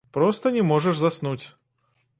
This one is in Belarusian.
Проста не можаш заснуць.